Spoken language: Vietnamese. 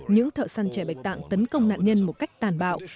những thợ săn trẻ bạch tạng tấn công nạn nhân một cách tàn bạo